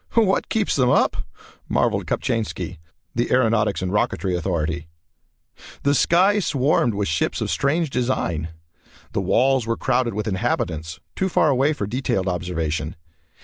"What keeps them up!" marvelled Kopchainski, the aeronautics and rocketry authority. The sky swarmed with ships of strange design. The walls were crowded with inhabitants, too far away for detailed observation.